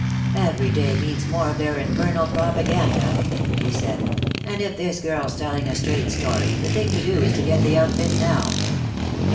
"Every day means more of their infernal propaganda," he said, "and if this girl's telling a straight story, the thing to do is to get the outfit now.